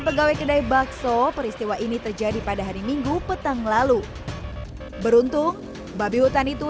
pegawai kedai bakso peristiwa ini terjadi pada hari minggu petang lalu beruntung babi hutan itu